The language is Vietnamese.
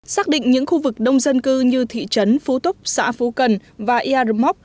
xác định những khu vực đông dân cư như thị trấn phú túc xã phú cần và yarmok